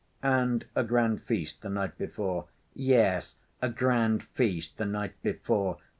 "And a grand feast the night before?" "Yes, a grand feast the night before.